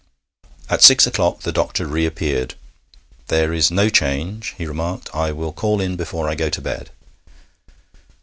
At six o'clock the doctor reappeared. 'There is no change,' he remarked. 'I will call in before I go to bed.'